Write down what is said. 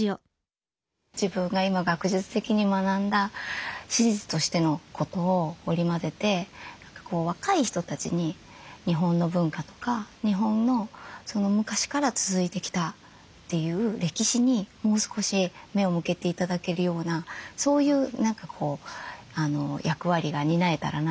自分が今学術的に学んだ史実としてのことを織り交ぜて若い人たちに日本の文化とか日本の昔から続いてきたという歴史にもう少し目を向けて頂けるようなそういう役割が担えたらなというふうに。